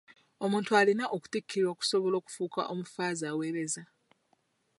Omuntu alina okutikkirwa okusobola okufuuka omufaaza aweereza.